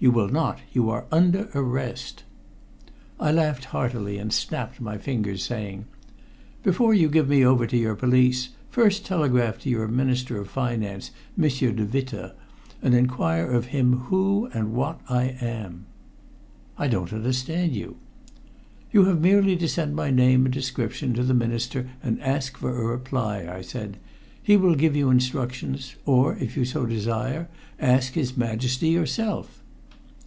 "You will not. You are under arrest." I laughed heartily and snapped my fingers, saying: "Before you give me over to your police, first telegraph to your Minister of Finance, Monsieur de Witte, and inquire of him who and what I am." "I don't understand you." "You have merely to send my name and description to the Minister and ask for a reply," I said. "He will give you instructions or, if you so desire, ask his Majesty yourself."